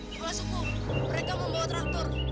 bapak subu mereka membawa traktur